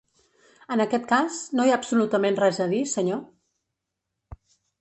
En aquest cas, no hi ha absolutament res a dir; senyor?